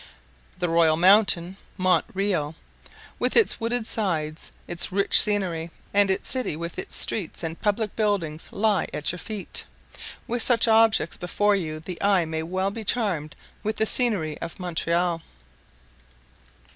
The royal mountain (Mont Real), with its wooded sides, its rich scenery, and its city with its streets and public buildings, lie at your feet: with such objects before you the eye may well be charmed with the scenery of Montreal.